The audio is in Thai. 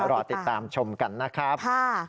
รอติดตามชมกันนะครับ